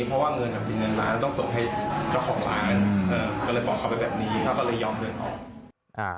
เพราะว่าเงินมีเงินล้านต้องส่งให้เจ้าของร้านก็เลยบอกเขาไปแบบนี้เขาก็เลยยอมเงินออก